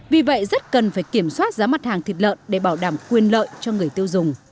vì vậy rất cần phải kiểm soát giá mặt hàng thịt lợn để bảo đảm quyền lợi cho người tiêu dùng